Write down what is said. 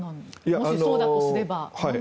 もしそうだとすれば。